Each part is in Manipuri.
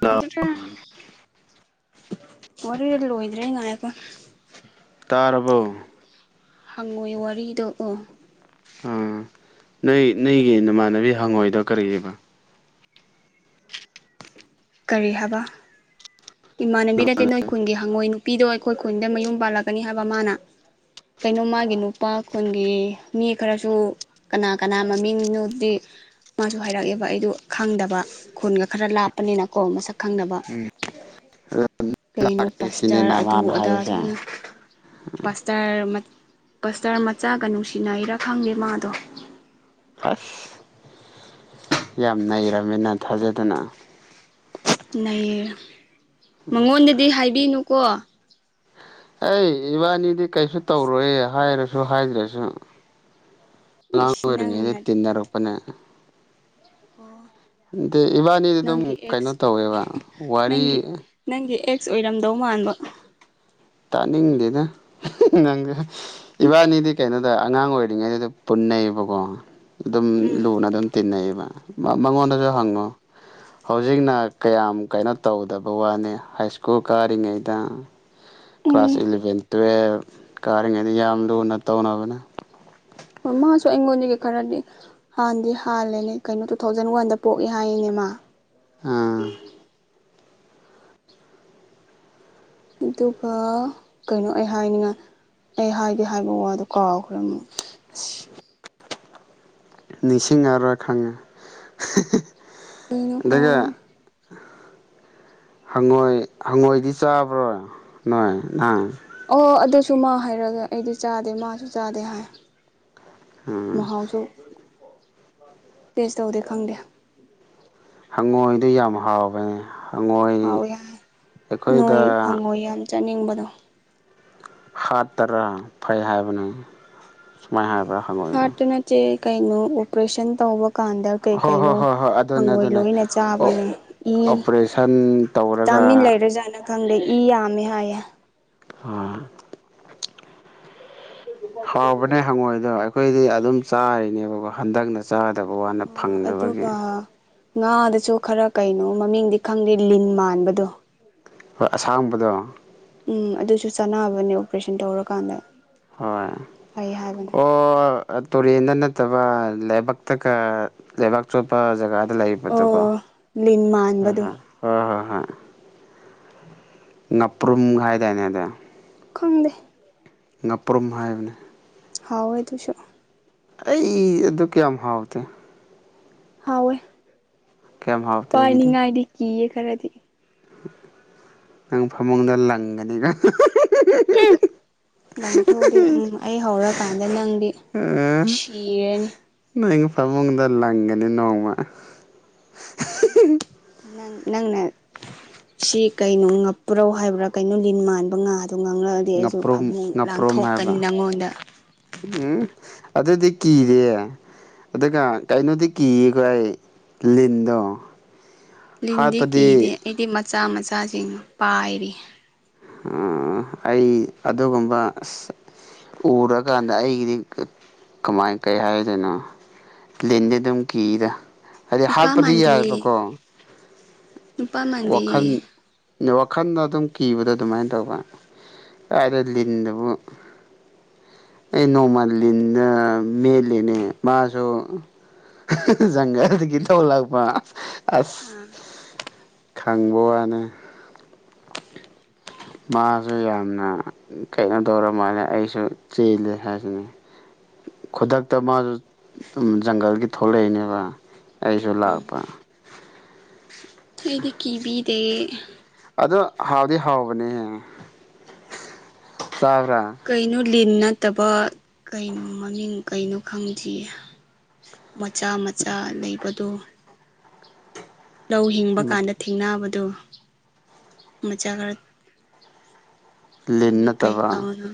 ꯍꯜꯂꯣ ꯋꯥꯔꯤ ꯂꯣꯏꯗ꯭ꯔꯦ ꯉꯥꯏꯈ [inaudible] ꯇꯥꯔꯕꯣ ꯍꯪꯉꯣꯏ ꯋꯥꯔꯤꯗꯣ ꯎ ꯑꯥ ꯅꯣꯏ ꯅꯣꯏꯒꯤ ꯅꯃꯥꯟꯅꯕꯤ ꯍꯪꯉꯣꯏꯗꯣ ꯀꯔꯤꯕ ꯀꯔꯤ ꯍꯥꯏꯕ ꯏꯃꯥꯟꯅꯕꯤ ꯅꯠꯇꯦ ꯅꯣꯏ ꯈꯨꯟꯒꯤ ꯍꯪꯉꯣꯏ ꯅꯨꯄꯤꯗꯣ ꯑꯩꯈꯣꯏ ꯈꯨꯟꯗ ꯃꯌꯨꯝ ꯄꯥꯜꯂꯛꯀꯅꯤ ꯍꯥꯏꯕ ꯃꯥꯅ ꯀꯩꯅꯣ ꯃꯥꯒꯤ ꯅꯨꯄꯥ ꯈꯨꯟꯒꯤ ꯃꯤ ꯈꯔꯁꯨ ꯀꯅꯥ ꯀꯅꯥ ꯃꯃꯤꯡꯅꯣꯗꯤ ꯃꯥꯁꯨ ꯍꯥꯏꯔꯛꯑꯦꯕ ꯑꯩꯗ ꯈꯪꯗꯕ ꯈꯨꯟꯒ ꯈꯔ ꯂꯥꯞꯄꯅꯤꯅ ꯀꯣ ꯃꯁꯛ ꯈꯪꯅꯕ ꯎꯝ ꯀꯩꯅꯣ ꯄꯁꯇꯔ ꯁꯤꯅꯦꯅ ꯑꯗꯨ ꯃꯥꯅ ꯑꯗꯥ ꯍꯥꯏꯔꯤꯁꯦ ꯁꯨꯝꯅ [inaudible] ꯄꯁꯇꯔ ꯄꯁꯇꯔ ꯃꯆꯥꯒ ꯅꯨꯡꯁꯤꯅꯩꯔꯥ ꯈꯪꯗꯦ ꯃꯥꯗꯣ ꯑꯁ ꯌꯥꯝ ꯅꯩꯔꯝꯃꯦꯅ ꯊꯥꯖꯗꯅ ꯂꯩꯌꯦ ꯃꯉꯣꯟꯗꯗꯤ ꯍꯥꯏꯕꯤꯅꯨꯀꯣ ꯑꯩ ꯏꯕꯥꯅꯤꯗꯤ ꯀꯩꯁꯨ ꯇꯧꯔꯣꯏ ꯍꯥꯏꯔꯁꯨ ꯍꯥꯏꯗ꯭ꯔꯁꯨ ꯂꯥꯡ ꯏꯁ ꯑꯣꯏꯔꯉ ꯅꯪꯅ ꯇꯤꯟꯅꯔꯄꯅꯦ [unintelligible] ꯏꯕꯥꯅꯤꯗꯤ ꯑꯗꯨꯝ ꯅꯪꯒꯤ ꯀꯩꯅꯣ ꯑꯦꯛꯁ ꯇꯧꯋꯦꯕ ꯋꯥꯔꯤ ꯅꯪꯒꯤ ꯅꯪꯒꯤ ꯑꯦꯛꯁ ꯑꯣꯏꯔꯝꯗꯧ ꯃꯥꯟꯕ ꯇꯥꯅꯤꯡꯗꯦꯅ ꯅꯪꯒ ꯏꯕꯥꯅꯤꯗꯤ ꯀꯩꯅꯣꯗ ꯑꯉꯥꯡ ꯑꯣꯏꯔꯤꯉꯩꯗꯨꯗ ꯄꯨꯟꯅꯩꯌꯦꯕꯀꯣ ꯑꯗꯨꯝ ꯎꯝ ꯂꯨꯅ ꯑꯗꯨꯝ ꯇꯤꯟꯅꯩꯌꯦꯕ ꯃꯉꯣꯟꯗꯁꯨ ꯍꯪꯉꯣ ꯍꯧꯖꯤꯛꯅ ꯀꯌꯥꯝ ꯀꯩꯅꯣ ꯇꯧꯗꯕ ꯋꯥꯅꯤ ꯍꯥꯏ ꯁ꯭ꯀꯨꯜ ꯀꯥꯔꯤꯉꯩꯗ ꯀ꯭ꯂꯥꯁ ꯎꯝ ꯏꯂꯚꯦꯟ ꯇꯨꯋꯜꯕ ꯀꯥꯔꯤꯉꯩꯗ ꯌꯥꯝ ꯂꯨꯅ ꯇꯧꯅꯕꯅ ꯃꯥꯁꯨ ꯑꯩꯉꯣꯟꯗꯒꯤ ꯈꯔꯗꯤ ꯍꯥꯟꯅꯗꯤ ꯍꯥꯜꯂꯦꯅꯦ ꯀꯩꯅꯣ ꯇꯨ ꯊꯥꯎꯖꯟ ꯋꯥꯟꯗ ꯄꯣꯛꯏꯦ ꯍꯥꯏꯅꯦ ꯃꯥ ꯑꯥ ꯑꯗꯨꯒ ꯀꯩꯅꯣ ꯑꯩ ꯍꯥꯏꯅꯤꯡꯉꯥꯏ ꯑꯩ ꯍꯥꯏꯗꯤꯦ ꯍꯥꯏꯕ ꯋꯥꯗꯣ ꯀꯥꯎꯈ꯭ꯔꯦ ꯑꯃꯨꯛ ꯑꯁ ꯅꯤꯡꯁꯤꯡꯉꯔ ꯈꯪꯉꯦ ꯀꯩꯅꯣ ꯑꯗꯨꯒ ꯀꯥꯎꯔꯦ ꯍꯪꯉꯣꯏ ꯍꯪꯉꯣꯏꯗꯤ ꯆꯥꯕ꯭ꯔꯣ ꯅꯣꯏ ꯅꯪ ꯑꯣ ꯑꯗꯨꯁꯨ ꯃꯥ ꯍꯥꯏꯔꯒ ꯑꯩꯗꯤ ꯆꯥꯗꯦ ꯃꯥꯁꯨ ꯆꯥꯗꯦ ꯍꯥꯏ ꯎꯝ ꯃꯍꯥꯎꯁꯨ ꯇꯦꯁ ꯇꯧꯗꯦ ꯈꯪꯗꯦ꯫ ꯍꯪꯉꯣꯏꯗꯨ ꯌꯥꯝ ꯍꯥꯎꯕꯅꯦ ꯍꯪꯉꯣꯏ ꯍꯥꯎꯋꯦ ꯍꯥꯏ ꯑꯩꯈꯣꯏꯗ꯫ ꯆꯠꯅꯤꯡꯕꯗꯣ꯫ ꯍꯥꯠꯇꯔꯥ ꯐꯩ ꯍꯥꯏꯕꯅꯤ ꯁꯨꯃꯥꯏꯅ ꯍꯥꯏꯕ꯭ꯔꯥ ꯍꯪꯉꯣꯏꯗꯣ ꯍꯥꯔꯠꯇꯅ ꯆꯦ ꯀꯩꯅꯣ ꯑꯣꯄꯔꯦꯁꯟ ꯇꯧꯕ ꯀꯥꯟꯗ ꯀꯩ ꯍꯣꯏ ꯍꯣꯏ ꯀꯩꯅꯣ ꯍꯣꯏ ꯍꯣꯏ ꯑꯗꯨꯅꯦ ꯍꯪꯒꯣꯏ ꯑꯗꯨꯅꯦ ꯂꯣꯏꯅ ꯑꯣ ꯆꯥꯕꯅꯦ ꯏ ꯑꯣꯄꯔꯦꯁꯟ ꯇꯧꯔꯒ ꯚꯤꯇꯥꯃꯤꯟ ꯂꯩꯔꯖꯥꯠꯅ ꯈꯪꯗꯦ ꯏ ꯌꯥꯝꯃꯦ ꯍꯥꯏꯌꯦꯦ ꯑꯝ ꯍꯥꯎꯕꯅꯦ ꯍꯪꯉꯣꯏꯗꯣ ꯑꯩꯈꯣꯏꯗꯤ ꯑꯗꯨꯝ ꯆꯥꯔꯤꯅꯦꯕꯀꯣ ꯍꯟꯗꯛꯅ ꯆꯥꯗꯕ ꯋꯥꯅꯤ ꯑꯗꯨꯒ ꯉꯥꯗꯁꯨ ꯈꯔ ꯀꯩꯅꯣ ꯃꯃꯤꯡꯗꯤ ꯈꯪꯗꯦ ꯂꯤꯟ ꯃꯥꯟꯕꯗꯣ ꯍꯣꯏ ꯑꯁꯥꯡꯕꯗꯣ ꯎꯝ ꯑꯗꯨꯁꯨ ꯆꯥꯟꯅꯕꯅꯦ ꯑꯣꯄꯔꯦꯁꯟ ꯇꯧꯔꯀꯥꯟꯗ ꯍꯣꯏ ꯐꯩ ꯍꯥꯏꯕꯅꯦ ꯑꯣ ꯇꯨꯔꯦꯟꯗ ꯅꯠꯇꯕ ꯂꯩꯥꯏꯕꯛꯇꯒ ꯂꯩꯕꯥꯛ ꯆꯣꯠꯄ ꯖꯒꯥꯗ ꯂꯩꯕ꯫ ꯑꯣ ꯂꯤꯟ ꯃꯥꯟꯕꯗꯣ꯫ ꯍꯣꯏ ꯍꯣꯏ ꯍꯣꯏ ꯉꯥꯄ꯭ꯔꯨꯝ ꯍꯥꯏꯥꯏꯗꯥꯅꯦꯗ ꯈꯪꯗꯦ ꯉꯥꯄ꯭ꯔꯨꯝ ꯍꯥꯏꯕꯅꯤ ꯍꯥꯎꯣꯏ ꯇꯨꯁꯨ ꯑꯩ ꯑꯗꯨ ꯀꯌꯥꯝ ꯍꯥꯎꯗꯦ ꯍꯋꯣꯏ ꯀꯌꯥꯝ ꯍꯥꯎꯇꯦ ꯑꯩꯒꯤꯗꯤ ꯄꯥꯏꯅꯤꯡꯉꯥꯏꯗꯤ ꯀꯤꯌꯦ ꯈꯔꯗꯤ ꯅꯪ ꯐꯃꯨꯡꯗ ꯂꯪꯒꯅꯤꯒ ꯂꯪꯊꯣꯛꯗꯤ ꯎ ꯑꯩ ꯍꯧꯔꯀꯥꯟꯗ ꯅꯪꯗꯤ ꯁꯤꯔꯅꯤ ꯅꯪ ꯐꯃꯨꯡꯗ ꯂꯪꯒꯅꯤ ꯅꯣꯡꯃ ꯅꯪ ꯅꯪꯅ ꯁꯤ ꯀꯩꯅꯣ ꯉꯛꯄꯨꯔꯧ ꯍꯥꯏꯕ꯭ꯔꯥ ꯀꯩꯅꯣ ꯂꯤꯟ ꯃꯥꯟꯕ ꯉꯥꯗꯣ ꯉꯥꯡꯉꯛꯑꯅꯤ ꯗꯤ ꯑꯩꯁꯨ ꯐ ꯉꯥꯄ꯭ꯔꯨꯝ ꯉꯥꯄ꯭ꯔꯨꯝ ꯍꯥꯏꯕ ꯂꯥꯡꯊꯣꯛꯀꯅꯤ ꯅꯪꯉꯣꯟꯗ ꯎꯝ ꯑꯗꯨꯗꯤ ꯀꯤꯔꯦ ꯑꯗꯨꯒ ꯀꯩꯅꯣꯗꯤ ꯀꯤꯌꯦꯈ ꯑꯩ ꯂꯤꯟꯗꯣ ꯂꯤꯟꯗꯤ ꯍꯥꯠꯄꯗꯤ ꯀꯤꯗꯦ ꯑꯩꯗꯤ ꯃꯆꯥ ꯃꯆꯥꯁꯤꯡ ꯄꯥꯏꯔꯤ ꯑꯩ ꯑꯗꯨꯒꯨꯝꯕ ꯎꯔꯀꯥꯟꯗ ꯑꯩꯒꯤꯗꯤ ꯀꯃꯥꯏ ꯀꯩ ꯍꯥꯏꯗꯣꯏꯅꯣ ꯂꯤꯟꯗꯤ ꯑꯗꯨꯝ ꯀꯤꯗ ꯍꯥꯏꯗꯤ ꯅꯨꯄꯥ ꯍꯥꯠꯄꯗꯤ ꯃꯥꯟꯗꯦ ꯌꯥꯏꯕꯀꯣ ꯅꯨꯄꯥ ꯃꯥꯟꯗꯦ ꯋꯥꯈꯜ ꯋꯥꯈꯜꯗ ꯑꯗꯨꯝ ꯀꯤꯕꯗꯣ ꯑꯗꯨꯃꯥꯏꯅ ꯇꯧꯕ ꯀꯗ ꯂꯤꯟꯗꯨꯕꯨ ꯑꯩ ꯅꯣꯃꯜ ꯂꯤꯅ ꯃꯦꯂꯤ ꯂꯤꯅꯦ ꯃꯖꯣꯖꯪꯒꯔ ꯑꯗꯨꯗꯒꯤ ꯅꯪ ꯇꯧ ꯂꯥꯛꯄ ꯑꯁ ꯑꯥ ꯈꯪꯕꯅꯦ ꯃꯥꯁꯨ ꯌꯥꯝꯅ ꯀꯩꯅꯣ ꯇꯧꯔ ꯃꯥꯜꯂꯦ ꯑꯩꯁꯨ ꯆꯦꯜꯂꯤꯦ ꯍꯥꯏꯁꯤꯅꯤ ꯈꯨꯗꯛꯇ ꯃꯥꯁꯨ ꯖꯪꯒꯜꯒꯤ ꯊꯣꯛꯂꯛꯏꯅꯦꯕ ꯑꯩꯁꯨ ꯎꯝ ꯂꯥꯛꯄ ꯑꯩꯗꯤ ꯀꯤꯕꯤꯗ ꯑꯗꯣ ꯍꯥꯎꯗꯤ ꯍꯥꯎꯕꯅꯦꯌꯦ ꯆꯥꯎꯕ꯭ꯔꯥ ꯀꯩꯅꯣ ꯂꯤꯟ ꯅꯠꯇꯕ ꯀꯩꯅꯣ ꯃꯃꯤꯡ ꯀꯩꯅꯣ ꯈꯪꯗ꯭ꯔꯤꯌꯦ ꯃꯆꯥ ꯃꯆꯥ ꯂꯩꯕꯗꯣ ꯂꯧ ꯍꯤꯡꯕ ꯀꯥꯟꯗ ꯊꯦꯡꯅꯕꯗꯨ ꯃꯆꯥ ꯈꯔ ꯂꯤꯟ ꯃꯃꯤꯡ ꯀꯩ ꯅꯠꯇꯕ ꯀꯥꯎꯅꯣ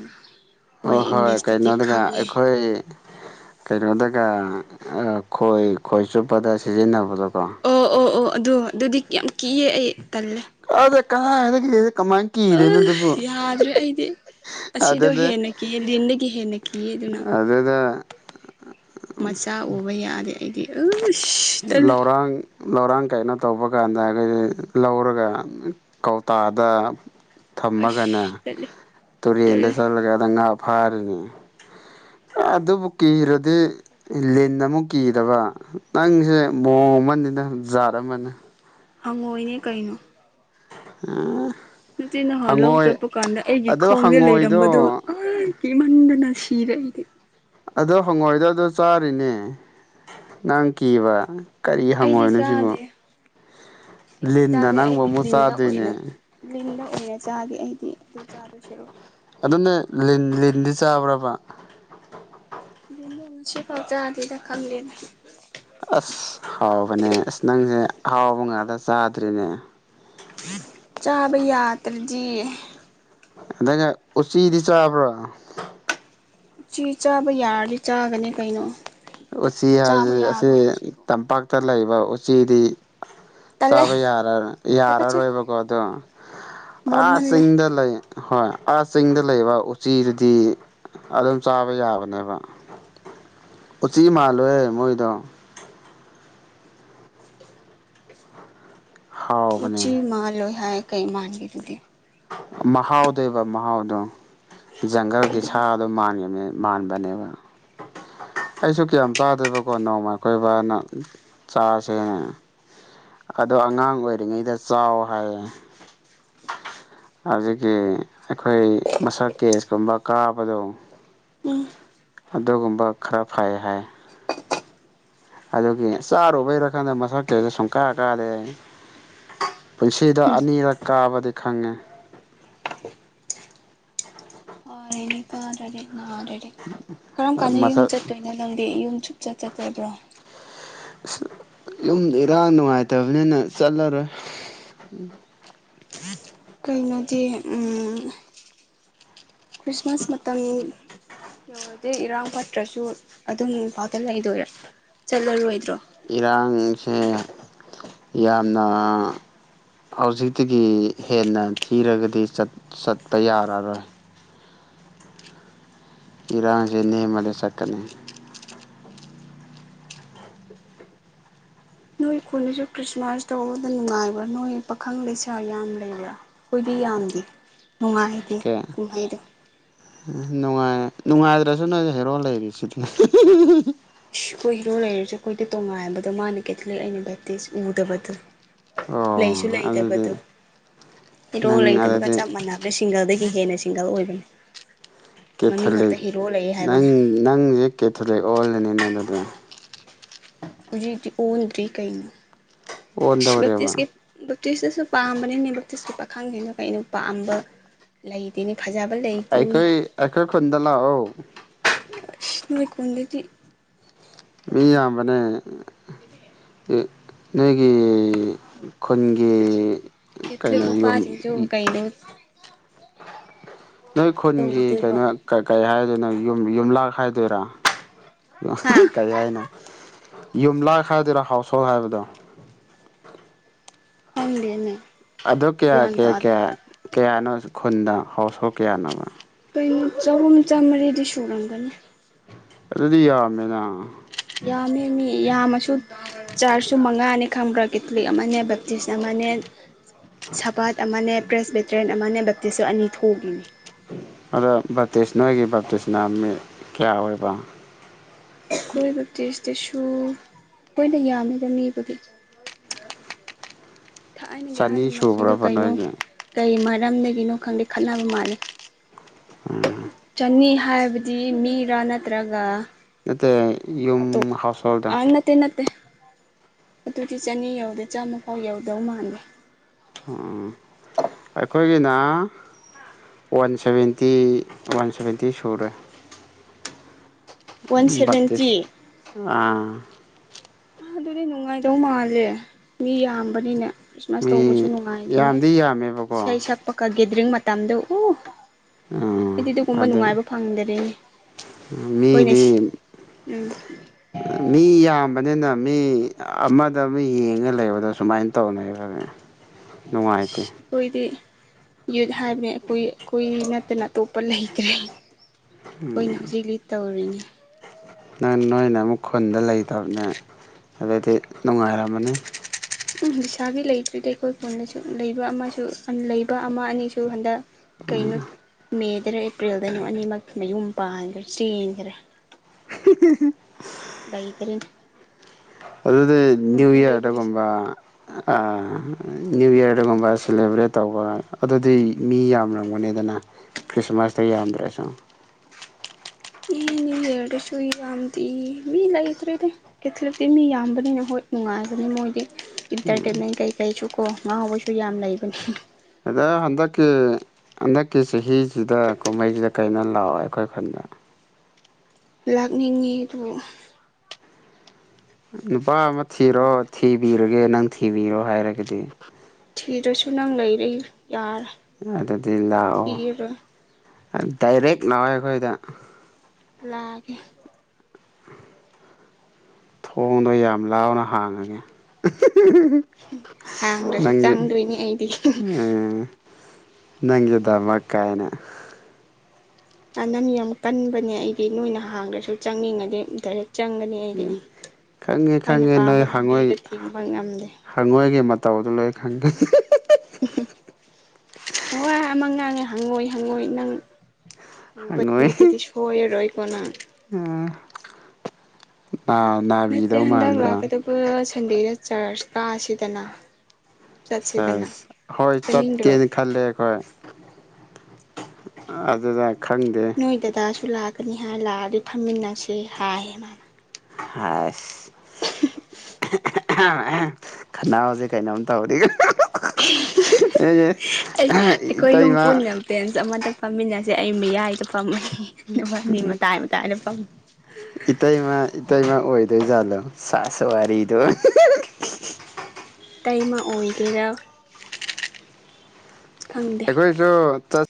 ꯑꯣ ꯍꯣꯏ ꯏꯪꯂꯤꯁꯇꯗꯤ ꯀꯩꯅꯣꯗꯨꯒ ꯈꯪꯉꯦ ꯑꯩꯈꯣꯏ꯫ ꯀꯩꯅꯣꯗꯒ ꯈꯣꯏ ꯈꯣꯏ ꯆꯨꯞꯄꯗ ꯁꯤꯖꯤꯟꯅꯕꯗꯣꯀꯣ꯫ ꯑꯣ ꯑꯣ ꯑꯣ ꯑꯗꯨꯗꯣ ꯑꯗꯨꯗꯤ ꯌꯥꯝ ꯀꯤꯌꯦꯦ ꯑꯩ ꯇꯜꯂꯦ ꯑꯗ ꯀꯥꯏꯗꯁꯦ ꯀꯃꯥꯏꯅ ꯑ ꯀꯤꯔꯦꯅꯣ ꯑꯗꯨꯕꯨ ꯌꯥꯗ꯭ꯔꯦ ꯑꯩꯗꯤ ꯑꯁꯤꯗꯣ ꯑꯗꯅꯦ ꯍꯦꯟꯅ ꯀꯤꯌꯦ ꯂꯤꯟꯗꯒꯤ ꯍꯦꯟꯅ ꯀꯤꯌꯦ ꯑꯗꯨꯅ ꯑꯗꯨꯗꯗ ꯃꯆꯥ ꯎꯕ ꯌꯥꯗꯦ ꯑꯩꯗꯤ ꯑꯁ ꯇꯜꯂꯦ ꯂꯧꯔꯥꯡ ꯂꯧꯔꯥꯡ ꯀꯩꯅꯣ ꯇꯧꯕ ꯀꯥꯟꯗ ꯑꯩꯈꯣꯏꯁ ꯂꯧꯔꯒ ꯀꯧꯇꯥꯗ ꯊꯝꯃꯒꯅꯦ ꯑꯁ ꯇꯜꯂꯦ ꯇꯨꯔꯦꯟꯗ ꯇꯜꯂꯦ ꯆꯠꯂꯒꯗ ꯉꯥ ꯐꯥꯔꯅꯦ ꯑꯗꯨꯕꯨ ꯀꯤꯔꯗꯤ ꯂꯤꯟ ꯑꯃꯨꯛ ꯀꯤꯗꯕ ꯅꯪꯁꯦ ꯃꯑꯣꯡ ꯑꯃꯅꯤꯅ ꯖꯥꯠ ꯑꯃꯅꯤ ꯍꯪꯉꯣꯏꯅꯦ ꯀꯩꯅꯣ ꯑꯝ꯫ ꯅꯨꯆꯤ ꯅꯍꯥꯟ ꯂꯧ ꯆꯠꯄ ꯀꯥꯟꯗ ꯑꯩꯒꯤ ꯑꯗꯣ ꯈꯣꯡꯁꯦ ꯍꯪꯉꯣꯏꯗꯣ ꯂꯩꯔꯝꯕꯗꯣ꯫ ꯀꯃꯟꯗꯅ ꯁꯤꯔꯩꯗꯤ ꯑꯗꯣ ꯍꯪꯉꯣꯏꯗ ꯑꯗꯨ ꯆꯥꯔꯤꯅꯦ ꯅꯪ ꯀꯤꯕ ꯀꯔꯤ ꯑꯩꯗꯤ ꯍꯪꯉꯣꯏꯅꯣ ꯁꯤꯕꯨ ꯆꯥꯗꯦ ꯑꯩꯗꯤ ꯂꯤꯗ ꯆꯥꯗꯦ ꯅꯪꯕ ꯑꯩꯗꯤ ꯑꯃꯨꯛ ꯂꯤꯟꯗ ꯆꯥꯗꯣꯏꯅꯦ ꯑꯣꯏꯅ ꯂꯤꯟꯗ ꯑꯣꯏꯅ ꯆꯥꯒꯦ ꯑꯩꯗꯤ ꯑꯗꯨꯝ ꯆꯥꯗꯣꯏꯁꯔꯣ ꯑꯗꯨꯅꯦ ꯂꯤ ꯂꯤꯟꯗꯤ ꯆꯥꯕ꯭ꯔꯕ ꯁꯤ ꯐꯥꯎꯖ ꯑꯗꯤꯗ ꯈꯝꯂꯤꯅ ꯑꯁ ꯍꯥꯎꯕꯅꯦ ꯑꯁ ꯅꯪꯁꯦ ꯑ ꯍꯥꯎꯕ ꯉꯥꯛꯇ ꯆꯥꯗ꯭ꯔꯤꯅꯦ ꯆꯥꯕ ꯌꯥꯗ꯭ꯔꯗꯤ ꯑꯗꯩꯅ ꯎꯆꯤꯗꯤ ꯆꯥꯕ꯭ꯔꯣ ꯆꯦ ꯆꯥꯕ ꯌꯥꯔꯗꯤ ꯆꯥꯒꯅꯤ ꯀꯩꯅꯣ ꯎꯆꯤ ꯆꯥꯕ ꯍꯥꯏꯕꯁꯤ ꯑꯁꯤ ꯌꯥꯕ꯭ꯔꯣ ꯎꯆꯤꯕꯨ ꯇꯝꯄꯥꯛꯇ ꯂꯩꯕ ꯎꯆꯤꯗꯤ ꯇꯜꯂꯦ ꯆꯥꯕ ꯌꯥꯔꯔ ꯇꯨꯀꯠꯆꯩ ꯌꯥꯔꯔꯣꯏꯕꯀꯣ ꯑꯗꯣ ꯑꯥ ꯃꯣꯠꯃꯜꯂꯦ ꯆꯤꯡꯗ ꯂꯩ ꯍꯣꯏ ꯑ ꯆꯤꯡꯗ ꯂꯩꯕ ꯎꯆꯤꯗꯨꯗꯤ ꯑꯗꯨꯝ ꯆꯥꯕ ꯌꯥꯕꯅꯦꯕ ꯎꯆꯤ ꯃꯥꯜꯂꯣꯦ ꯃꯣꯏꯗꯣ ꯍꯥꯎꯕꯅꯦ ꯎꯆꯤ ꯃꯥꯜꯂꯣꯏ ꯍꯥꯏ ꯀꯩ ꯃꯥꯟꯈꯤꯗꯨꯗꯤ ꯃꯍꯥꯎꯗꯕ ꯃꯍꯥꯎꯗꯣ ꯖꯪꯒꯜꯒꯤ ꯁꯥꯗꯣ ꯃꯥꯟꯕꯅꯦꯕ ꯑꯩꯁꯨ ꯀꯌꯥꯝ ꯆꯥꯗꯦꯕꯀꯣ ꯅꯣꯡꯃ ꯑꯩꯈꯣꯏꯕꯅ ꯆꯥꯥꯁꯦꯅ ꯑꯗꯣ ꯑꯉꯥꯡ ꯑꯣꯏꯔꯤꯉꯩꯗ ꯆꯥꯎ ꯍꯥꯏꯌꯦ ꯑꯗꯨꯗꯒꯤ ꯑꯩꯈꯣꯏ ꯃꯁꯛ ꯀꯦꯁꯀꯨꯝꯕ ꯀꯥꯕꯗꯣ ꯎꯝ ꯑꯗꯨꯒꯨꯝꯕ ꯈꯔ ꯐꯥꯏ ꯍꯥꯏ ꯑꯗꯨꯒꯤ ꯆꯥꯔꯨꯕꯩꯔ ꯈꯡꯗꯦ ꯃꯁꯛ ꯀꯩꯁ ꯁꯨꯡ ꯀꯥ ꯀꯥꯔꯦ ꯄꯨꯟꯁꯤꯗ ꯑꯅꯤꯔꯛ ꯀꯥꯕꯗꯤ ꯈꯪꯉꯦ ꯀꯥꯗꯔꯦ ꯅꯥꯔꯗꯤꯦ ꯀꯔꯝ ꯀꯥꯟꯗ ꯌꯨꯝ ꯃꯁꯛ ꯆꯠꯇꯣꯏꯅꯣ ꯂꯝꯪꯗꯤ ꯌꯨꯝ ꯆꯨꯞꯆꯠ ꯆꯠꯇꯣꯏꯕ꯭ꯔꯣ ꯑ ꯌꯨꯝ ꯏꯔꯥꯡ ꯅꯨꯡꯉꯥꯏꯇꯕꯅꯤꯅ ꯆꯠꯂꯔꯣꯏ ꯎꯝ ꯀꯩꯅꯣꯗꯤ ꯎꯝ ꯈ꯭ꯔꯤꯁꯃꯥꯁ ꯃꯇꯝ ꯌꯧꯔꯗꯤ ꯏꯔꯥꯡ ꯐꯠꯇ꯭ꯔꯁꯨ ꯑꯗꯨꯝ ꯏꯐꯥꯎꯗ ꯂꯩꯗꯣꯏꯔꯥ ꯆꯠꯂꯔꯣꯏꯗ꯭ꯔꯣ ꯏꯔꯥꯡꯁꯦ ꯌꯥꯝꯅ ꯍꯧꯖꯤꯛꯇꯤꯒꯤ ꯍꯦꯟꯅ ꯊꯤꯔꯒꯗꯤ ꯆꯠꯄ ꯆꯠꯕ ꯌꯥꯔꯔꯣꯏ ꯏꯔꯥꯡꯁꯤ ꯅꯦꯝꯃꯗꯤ ꯆꯠꯀꯅꯤ ꯅꯣꯏ ꯈꯨꯟꯁꯨ ꯈ꯭ꯔꯤꯁꯃꯥꯁ ꯇꯧꯕꯗ ꯅꯨꯡꯉꯥꯏꯕ꯭ꯔꯥ ꯅꯣꯏ ꯄꯥꯈꯪ ꯂꯩꯁꯥ ꯌꯥꯝ ꯂꯩꯕ꯭ꯔꯥ ꯑꯩꯈꯣꯏꯗꯤ ꯌꯥꯝꯗꯦ ꯅꯨꯡꯉꯥꯏꯇꯦ ꯀꯦ ꯀꯨꯝꯍꯩꯗꯣ ꯅꯨꯡꯉꯥꯏ ꯅꯨꯡꯉꯥꯏꯇ꯭ꯔꯁꯨ ꯅꯣꯏ ꯍꯦꯔꯣ ꯂꯩꯔꯤꯁꯤꯗꯅ ꯏꯁ ꯑꯩꯈꯣꯏ ꯍꯤꯔꯣ ꯂꯩꯔꯤꯁꯦ ꯑꯩꯈꯣꯏꯗꯤ ꯇꯣꯉꯥꯏꯥꯟꯕꯗꯣ ꯃꯥꯅ ꯀꯦꯊꯂꯤꯛ ꯑꯩꯅ ꯦꯇꯤꯁ ꯎꯗꯕꯗꯣ ꯑꯣ ꯂꯩꯁꯨ ꯂꯩꯇꯕꯗꯣ ꯑꯗꯨꯗꯤ ꯏꯔꯣꯛ ꯅꯪ ꯂꯩꯇꯕꯒ ꯑꯗꯨꯗꯤ ꯆꯞ ꯃꯥꯟꯅ ꯑ ꯁꯤꯡꯒꯜꯗꯒꯤ ꯍꯦꯟꯅ ꯁꯤꯡꯒꯜ ꯑꯣꯏꯕꯅꯤ ꯃꯃꯤꯡ ꯈꯛꯇ ꯀꯦꯊꯣꯂꯤꯛ ꯍꯤꯔꯣ ꯂꯩꯌꯦ ꯅꯪ ꯍꯥꯏꯕꯅꯦ ꯅꯪꯁꯦ ꯀꯦꯊꯣꯂꯤꯛ ꯑꯣꯏꯜꯂꯅꯤꯅꯪ ꯑꯗꯨꯗ ꯍꯧꯖꯤꯗꯤ ꯑꯣꯟꯗ꯭ꯔꯤ ꯀꯩꯩꯅꯣ ꯑꯣꯟꯗꯧꯔꯦꯕ ꯕꯛꯇꯤꯁꯀꯤ ꯕꯛꯇꯤꯁꯇꯁꯨ ꯄꯥꯝꯕꯅꯤꯅꯦ ꯕꯛꯇꯇꯤꯁꯀꯤ ꯄꯥꯈꯪꯁꯤꯡꯅ ꯑꯩꯅ ꯄꯥꯝꯕ ꯂꯩꯇꯦꯅꯦ ꯐꯖꯕ ꯂꯩꯇꯤꯅꯦ ꯑꯩꯈꯣꯏ ꯑꯩꯈꯣꯏ ꯈꯨꯟꯗ ꯂꯥꯛꯑꯣ ꯅꯣꯏ ꯈꯨꯟꯗꯒꯤ ꯃꯤ ꯌꯥꯝꯕꯅꯦ ꯑ ꯅꯣꯏꯒꯤ ꯈꯨꯟꯒꯤ ꯀꯦꯊꯂꯤꯛ ꯀꯩꯅꯣ ꯌꯨꯝ [unintelligible] ꯅꯣꯏ ꯈꯨꯟꯒꯤ ꯇꯧꯗꯣꯏꯕ ꯀꯩꯅꯣ ꯀ ꯀꯩ ꯍꯥꯏꯗꯣꯏꯅꯣ ꯌꯨꯝ ꯌꯨꯝꯂꯥꯛ ꯍꯥꯏꯗꯣꯏꯔꯥ ꯌ ꯍꯥ ꯀꯩ ꯍꯥꯏꯅꯣ ꯌꯨꯝ ꯂꯥꯛ ꯍꯥꯏꯥꯏꯗꯣꯏꯔꯥ ꯍꯥꯎꯁ ꯍꯣꯜ ꯍꯥꯏꯕꯗꯣ ꯐꯪꯗꯦꯅ ꯑꯗꯨ ꯀꯌꯥ ꯀꯌꯥ ꯀꯌꯥ ꯀꯌꯥꯅꯣ ꯈꯨꯟꯗ ꯍꯥꯎꯁ ꯍꯣꯜ ꯀꯌꯥꯅꯣ ꯀꯩꯅ ꯆꯍꯨꯝ ꯆꯥꯝꯃꯔꯤꯗꯤ ꯁꯨꯔꯝꯒꯅꯤ ꯑꯗꯨꯗꯤ ꯌꯥꯝꯃꯦꯅ ꯌꯥꯝꯃꯦ ꯃꯤ ꯌꯥꯝꯃꯁꯨ ꯆꯥꯔꯁꯨ ꯃꯉꯥꯅꯤ ꯈꯪꯕ꯭ꯔꯥ ꯀꯦꯊꯂꯤꯛ ꯑꯃꯅꯦ ꯕꯞꯇꯤꯁ ꯑꯃꯅꯦ ꯁꯄꯥꯠ ꯑꯃꯅꯦ ꯄ꯭ꯔꯦꯁ ꯕꯦꯇꯔꯤꯦꯟ ꯑꯃꯅꯦ ꯕꯞꯇꯤꯁꯁꯨ ꯑꯅꯤ ꯊꯣꯛꯏꯅꯤ ꯑꯗꯣ ꯚꯞꯇꯤꯁ ꯅꯣꯏꯒꯤ ꯕꯥꯞꯇꯤꯁꯅ ꯃꯤ ꯀꯌꯥ ꯑꯣꯏꯕ ꯂꯣꯏꯕ ꯇꯦꯁꯇꯁꯨ ꯂꯣꯏꯅ ꯌꯥꯝꯃꯤꯗ ꯃꯤꯕꯨꯒꯤ ꯊꯥꯏꯅꯒꯤ ꯑꯍꯜ ꯆꯅꯤ ꯂꯃꯟꯁꯤꯡꯗꯨꯣ ꯁꯨꯕ꯭ꯔꯕ ꯀꯩꯅꯣ ꯅꯣꯏꯒꯤ ꯀꯩ ꯃꯔꯝꯗꯒꯤꯅꯣ ꯈꯪꯗꯦ ꯈꯠꯅꯕ ꯃꯥꯜꯜꯂꯤꯦ ꯎꯝ ꯆꯅꯤ ꯍꯥꯏꯕꯗꯤ ꯃꯤꯔꯥ ꯅꯠꯇ꯭ꯔꯒ ꯅꯠꯇꯦ ꯌꯨꯝ ꯍꯥꯎꯁ ꯍꯣꯜꯗ ꯑꯠꯇꯦ ꯅꯠꯇꯦ ꯑꯗꯨꯗꯤ ꯆꯅꯤ ꯌꯧꯗꯦ ꯆꯥꯝꯃꯐꯥꯎ ꯌꯧꯗꯧ ꯃꯥꯟꯗꯦ ꯎꯝ ꯑꯩꯈꯣꯏꯒꯤꯅ ꯋꯥꯟ ꯁꯚꯦꯟꯇꯤ ꯋꯥꯟ ꯁꯚꯦꯟꯇꯤ ꯁꯨꯔꯦ [inaudible] ꯁꯚꯦꯟꯇꯤ ꯠꯇꯤꯁ ꯑꯥ ꯑꯗꯨꯗꯤ ꯅꯨꯡꯉꯥꯏꯗꯧ ꯃꯥꯜꯂꯦ ꯃꯤ ꯌꯥꯝꯕꯅꯤꯅꯦ ꯈ꯭ꯔꯤꯁꯃꯥꯁ ꯇꯧꯕꯁꯨ ꯃꯤ ꯅꯨꯡꯉꯥꯏꯕꯅꯤ ꯌꯥꯝꯗꯤ ꯏꯁꯩ ꯌꯥꯝꯃꯦꯕꯀꯣ ꯁꯛꯄꯒ ꯒꯦꯗꯔꯤꯡ ꯃꯇꯝꯗ ꯎ ꯎꯝ ꯑꯩꯗꯤ ꯑꯗꯨꯒꯨꯝꯕ ꯑꯗ ꯅꯨꯡꯉꯥꯏꯕ ꯐꯪꯗꯔꯤꯅꯦ ꯑꯩꯈꯣꯏꯅ ꯁꯤ ꯃꯤꯗꯤ ꯎꯝ ꯃꯤ ꯌꯥꯝꯕꯅꯤꯅ ꯃꯤ ꯑꯃꯗ ꯑꯃ ꯌꯦꯡꯉ ꯂꯩꯕꯗ ꯁꯨꯃꯥꯏꯅ ꯇꯧꯅꯩꯕ ꯅꯨꯡꯉꯥꯏꯇꯦ ꯑꯩꯈꯣꯏꯗꯤ ꯌꯨꯠ ꯍꯥꯏꯕꯅꯦ ꯑꯩ ꯑꯩꯈꯨꯏ ꯅꯠꯇꯅ ꯑꯇꯣꯞꯄ ꯂꯩꯇ꯭ꯔꯦ ꯩꯅ ꯍꯧꯖꯤꯛ ꯂꯤ ꯇꯧꯔꯤꯅꯦ ꯅꯪ ꯅꯣꯏꯅ ꯑꯃꯨꯛ ꯈꯨꯟꯗ ꯂꯩꯇꯕꯅꯦ ꯑꯗꯨꯗꯤ ꯅꯨꯡꯉꯥꯏꯔꯝꯃꯅꯤ ꯎ ꯁꯥꯕꯤ ꯂꯩꯇ꯭ꯔꯤꯗ ꯑꯩꯈꯣꯏ ꯀꯣꯟꯅꯁꯨ ꯂꯩꯕ ꯑꯃꯁꯨ ꯂꯩꯕ ꯑꯃ ꯑꯅꯤꯁꯨ ꯍꯟꯗꯛ ꯀꯩꯅꯣ ꯃꯦꯗꯅ ꯑꯦꯄ꯭ꯔꯤꯜꯗꯅꯣ ꯑꯅꯤꯃꯛ ꯃꯌꯨꯝ ꯄꯥꯟꯈ꯭ꯔꯦ ꯆꯦꯟꯈꯔꯦ ꯎ ꯒꯤ ꯇ ꯑꯗꯨꯗꯤ ꯅ꯭ꯌꯨ ꯂꯩꯕ ꯏꯔꯗ ꯀꯝꯕ ꯂꯩꯁꯥꯕꯤ ꯅ꯭ꯌꯨ ꯏꯔꯗꯒꯨꯝꯕ ꯁꯦꯂꯦꯕ꯭ꯔꯦꯠ ꯇꯧꯕ ꯑꯗꯨꯗꯤ ꯃꯤ ꯌꯥꯝꯔꯝꯒꯅꯤꯗꯅ ꯈ꯭ꯔꯤꯁꯃꯥꯁꯇ ꯌꯥꯝꯗ꯭ꯔꯁꯨ ꯑꯦꯅꯤ ꯍꯔꯁꯨꯨ ꯏ ꯀꯗꯤ ꯃꯤ ꯂ ꯏꯗ꯭ꯔꯦꯗꯦ ꯀꯦꯊꯂꯤꯛꯇꯤ ꯃꯤ ꯌꯥꯝꯕꯅꯤꯅ ꯍꯣꯏ ꯅꯨꯡꯉꯥꯏꯕꯅꯤ ꯃꯣꯏꯗꯤ ꯏꯟꯇꯔꯇꯦꯟꯃꯦꯟ ꯀꯩꯀꯩꯁꯨ ꯀꯣ ꯉꯍꯥꯎꯕꯁꯨ ꯌꯥꯝ ꯂꯩꯕꯅꯤ ꯑꯗꯨꯗꯣ ꯍꯟꯗꯛꯀꯤ ꯍꯟꯗꯛꯀꯤ ꯆꯍꯤꯁꯤꯗ ꯀꯨꯝꯍꯩꯁꯤꯗ ꯀꯩꯅꯣ ꯂꯥꯛꯑꯣ ꯑꯩꯈꯣꯏꯈꯟꯗ ꯂꯥꯛꯅꯤꯡꯉꯤ ꯑꯗꯨꯒ ꯅꯨꯄꯥ ꯑꯃ ꯊꯤꯔꯣ ꯈꯪꯗ꯭ꯔꯦ ꯊꯤꯕꯤꯔꯒꯦ ꯅꯪ ꯊꯤꯕꯤꯔꯣ ꯍꯥꯏꯔꯒꯗꯤ ꯊꯤꯗ꯭ꯔꯁꯨ ꯅꯪ ꯂꯩꯔ ꯌꯥꯔꯦ ꯑꯗꯨꯗꯤ ꯂꯥꯛꯑꯣ ꯊꯤꯔꯔꯣꯏ ꯗꯥꯏꯔꯦꯛ ꯂꯥꯛꯑꯣꯦ ꯑꯩꯈꯣꯏꯗ ꯂꯥꯛꯑꯒꯦ ꯊꯣꯡꯗꯣ ꯌꯥꯝ ꯂꯥꯎꯅ ꯍꯥꯡꯉꯒꯦ ꯍꯥꯡꯗ꯭ꯔꯁꯨ ꯅꯪꯦ ꯆꯪꯗꯣꯏꯅꯤ ꯑꯩꯗꯤ ꯎꯝ ꯅꯪꯒꯤꯗꯕ ꯀꯥꯏꯅ ꯑꯅꯝ ꯌꯥꯝ ꯀꯟꯕꯅꯦ ꯑꯩꯗꯤ ꯅꯣꯏꯅ ꯍꯥꯡꯗ꯭ꯔꯁꯨ ꯆꯪꯅꯤꯡꯉꯅꯤ ꯗꯥꯏꯔꯦꯛ ꯆꯪꯒꯅꯤ ꯑꯩꯗꯤ ꯈꯪꯉꯦ ꯑꯩꯅ ꯈꯪꯉꯦ ꯄꯥꯝꯕ ꯅꯣꯏ ꯍꯪꯉꯣꯏ ꯂꯝꯕꯤꯗ ꯊꯤꯡꯕ ꯉꯝꯗꯦ ꯍꯪꯉꯣꯏꯒꯤ ꯃꯇꯧꯗ ꯂꯣꯏ ꯈꯪꯒꯅꯤ [inaudible] ꯋꯥ ꯑꯃ ꯉꯥꯡꯉꯦ ꯍꯪꯉꯣꯏ ꯍꯪꯉꯣꯏ ꯅꯪ ꯎꯕꯤꯗꯗꯤ ꯁ ꯍꯣꯏꯔꯣꯏꯀꯣꯅꯥ ꯎ ꯑ ꯅꯠꯇꯦ ꯍꯟꯗꯛ ꯂꯥꯛꯀꯗꯕ ꯁꯟꯗꯦꯗ ꯆꯔꯆ ꯀꯥꯁꯤꯗꯅ ꯁꯦ ꯆꯠꯁꯤꯗꯅ ꯍꯣꯏ ꯆꯠꯀꯦ ꯆꯠꯅꯤꯡꯗ꯭ꯔꯣ ꯈꯜꯂꯦ ꯑꯩꯈꯣꯏ ꯑꯗꯨꯗ ꯈꯪꯗꯦ ꯅꯣꯏ ꯗꯗꯥꯁꯨ ꯂꯥꯛꯀꯅꯤ ꯍꯥꯏ ꯂꯥꯛꯑ ꯑꯗꯨ ꯈꯝꯃꯤꯟꯅꯁꯦ ꯍꯥꯏꯌꯦ ꯃꯥꯅ ꯍꯥꯏ ꯈꯅꯥꯁꯦ ꯀꯩꯅꯣꯝ ꯇꯧꯔꯤ ꯑꯦ ꯏ ꯇꯥꯏꯃ ꯄꯦꯟꯁ ꯑꯃꯇ ꯐꯥꯝꯃꯤꯟꯅꯁꯦ ꯑꯩ ꯃꯌꯥꯏꯗ ꯄꯥꯝꯃꯩ [unintelligible] ꯏꯇꯩꯃ ꯏꯇꯩꯃ ꯑꯣꯏꯗꯣꯏ ꯖꯥꯠꯂꯣ ꯁꯥꯁ ꯋꯥꯔꯤꯗꯣ ꯇꯩꯃ ꯑꯣꯏꯒꯦꯔꯥ ꯈꯪꯗꯦ ꯑꯗꯨ ꯆꯠ